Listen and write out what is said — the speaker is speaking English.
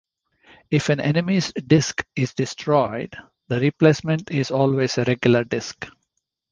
If an enemy's Disc is destroyed, the replacement is always a regular Disc.